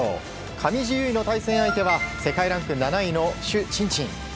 上地結衣の対戦相手は世界ランク７位のシュ・チンチン。